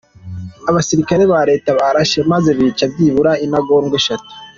Abasirikare ba leta barashe maze bica byibura intagondwa eshatu.